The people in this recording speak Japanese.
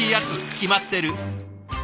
決まってる！